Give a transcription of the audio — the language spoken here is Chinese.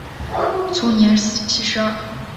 卒年七十二。